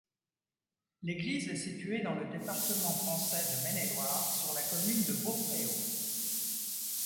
L'église est située dans le département français de Maine-et-Loire, sur la commune de Beaupréau.